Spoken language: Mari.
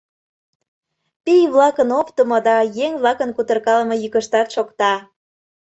Пий-влакын оптымо да еҥ-влакын кутыркалыме йӱкыштат шокта.